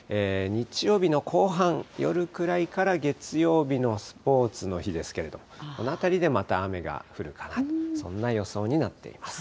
日曜日の後半、夜くらいから月曜日のスポーツの日ですけれど、このあたりでまた雨が降るかな、そんな予想になっています。